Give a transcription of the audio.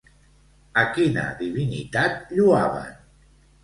A quina divinitat lloaven?